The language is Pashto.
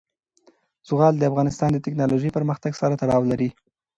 زغال د افغانستان د تکنالوژۍ پرمختګ سره تړاو لري.